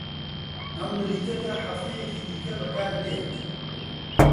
ئەم بلیتە تا هەفتەیەکی دیکە بەکاردێت.